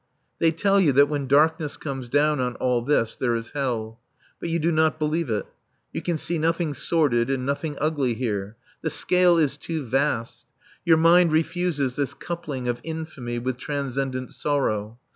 They tell you that when darkness comes down on all this there is hell. But you do not believe it. You can see nothing sordid and nothing ugly here. The scale is too vast. Your mind refuses this coupling of infamy with transcendent sorrow.